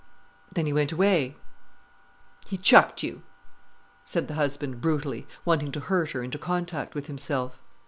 Then he went away——" "He chucked you?" said the husband brutally, wanting to hurt her into contact with himself.